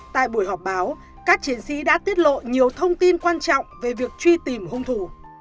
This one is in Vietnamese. tại buổi họp báo các chiến sĩ đã tiết lộ nhiều thông tin quan trọng về việc truy tìm hung thủ